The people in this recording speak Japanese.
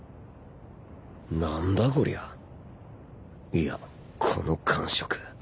いやこの感触